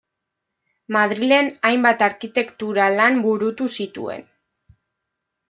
Madrilen hainbat arkitektura-lan burutu zituen.